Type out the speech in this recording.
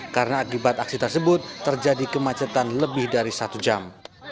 karena akibat aksi tersebut terjadi kemacetan lebih dari satu jam